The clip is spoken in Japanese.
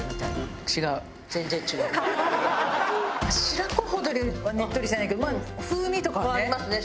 白子ほどよりはねっとりしてないけどまあ風味とかはね。